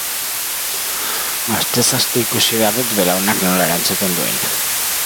Astez aste ikusi behar dut belaunak nola erantzuten duen.